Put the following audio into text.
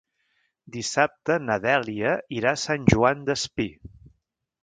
Dissabte na Dèlia irà a Sant Joan Despí.